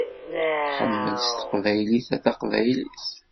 Ḥemmel s teqbaylit a taqbaylit!